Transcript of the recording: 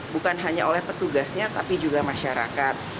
bukan hanya oleh petugasnya tapi juga masyarakat